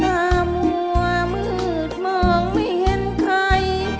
งามัวมืดมองไม่เห็นใคร